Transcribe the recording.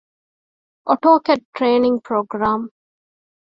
އޮޓޯކެޑް ޓްރެއިނިންގ ޕްރޮގްރާމް